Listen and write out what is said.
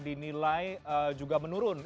dinilai juga menurun ini juga menurut saya